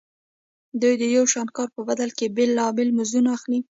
دوی د یو شان کار په بدل کې بېلابېل مزدونه اخلي